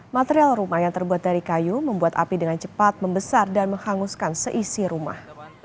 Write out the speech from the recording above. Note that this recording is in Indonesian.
material rumah yang terbuat dari kayu membuat api dengan cepat membesar dan menghanguskan seisi rumah